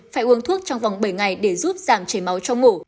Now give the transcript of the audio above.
phải uống thuốc trong vòng bảy ngày để giúp giảm chảy máu cho mổ